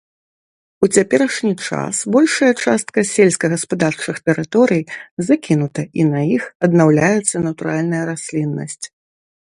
У цяперашні час большая частка сельскагаспадарчых тэрыторый закінута і на іх аднаўляецца натуральная расліннасць.